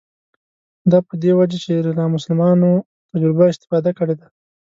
دا په دې وجه چې له نامسلمانو تجربو استفاده کړې ده.